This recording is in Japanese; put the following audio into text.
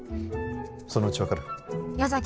そのうち分かる矢崎